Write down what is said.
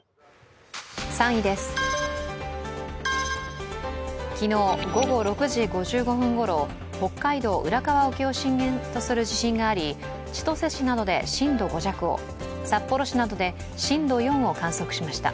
３位です、昨日午後６時５５分ごろ北海道・浦河沖を震源とする地震があり千歳市などで震度５弱を札幌市などで震度４を観測しました。